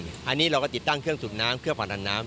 ประมาณนี้เราก็ติดตั้งเครื่องถูกน้ำเพื่อความดันน้ำ